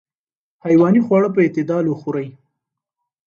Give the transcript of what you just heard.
حیواني خواړه په اعتدال وخورئ.